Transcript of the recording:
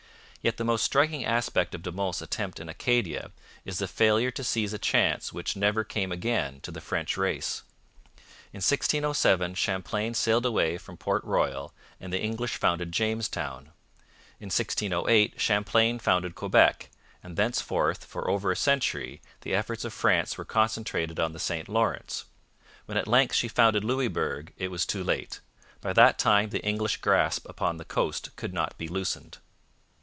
Yet the most striking aspect of De Monts' attempt in Acadia is the failure to seize a chance which never came again to the French race. In 1607 Champlain sailed away from Port Royal and the English founded Jamestown. In 1608 Champlain founded Quebec, and thenceforth for over a century the efforts of France were concentrated on the St Lawrence. When at length she founded Louisbourg it was too late; by that time the English grasp upon the coast could not be loosened.